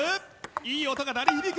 いい音が鳴り響く！